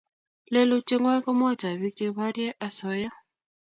leluyiet ngwai ko mwaitoi piik che porie asoya